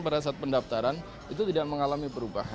pada saat pendaftaran itu tidak mengalami perubahan